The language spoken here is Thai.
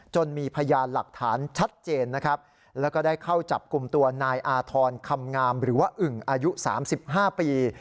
มีพยานหลักฐานชัดเจนนะครับแล้วก็ได้เข้าจับกลุ่มตัวนายอาธรณ์คำงามหรือว่าอึ่งอายุ๓๕ปี